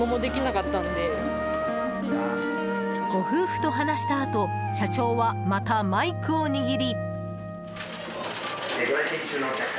ご夫婦と話したあと社長は、またマイクを握り。